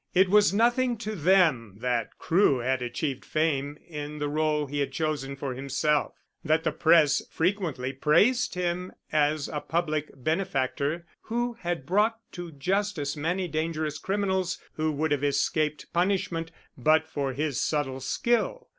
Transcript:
It was nothing to them that Crewe had achieved fame in the rôle he had chosen for himself; that the press frequently praised him as a public benefactor who had brought to justice many dangerous criminals who would have escaped punishment but for his subtle skill.